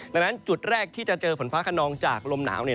ดังนั้นจุดแรกที่จะเจอฝนฟ้าขนองจากลมหนาว